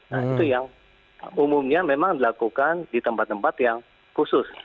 nah itu yang umumnya memang dilakukan di tempat tempat yang khusus